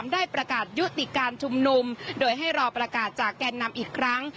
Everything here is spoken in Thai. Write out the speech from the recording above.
ได้ประกาศยุติการชุมนุมโดยให้รอประกาศจากแกนนำอีกครั้ง